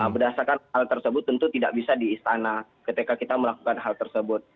berdasarkan hal tersebut tentu tidak bisa di istana ketika kita melakukan hal tersebut